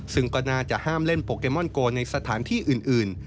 ซึ่งก็น่าจะห้ามเล่นโปเกมอนโกในสถานที่อื่น